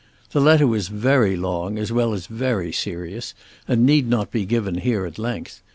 The letter was very long as well as very serious and need not be given here at length.